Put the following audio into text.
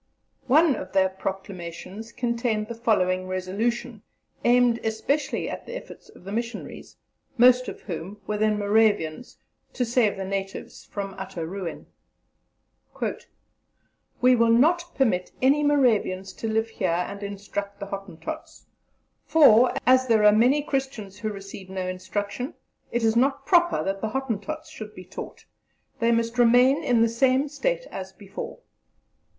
One of their proclamations contained the following resolution, aimed especially at the efforts of the missionaries most of whom were then Moravians to save the natives from utter ruin: "We will not permit any Moravians to live here and instruct the Hottentots; for, as there are many Christians who receive no instruction, it is not proper that the Hottentots should be taught; they must remain in the same state as before.